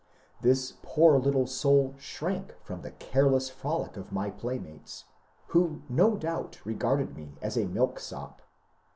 This poor little soul shrank from the careless frolic of my playmates, who no doubt regarded me as a milk sop.